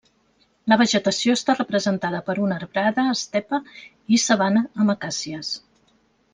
La vegetació està representada per una arbrada estepa i sabana amb acàcies.